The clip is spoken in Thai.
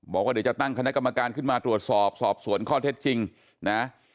บอกว่าเดี๋ยวจะตั้งคณะกรรมการขึ้นมาตรวจสอบสอบสวนข้อเท็จจริงนะ